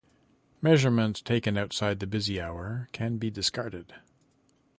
Measurements taken outside the busy hour can be discarded.